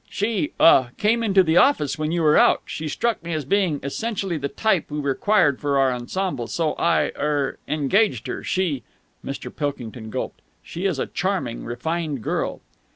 "She ah came into the office, when you were out. She struck me as being essentially the type we required for our ensemble, so I er engaged her. She " Mr. Pilkington gulped. "She is a charming, refined girl!"